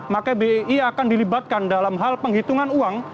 maka bi akan dilibatkan dalam hal penghitungan uang